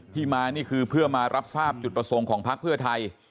ที่มานี่คือเพื่อมารับทราบจุดประสงค์ของพักเพื่อไทย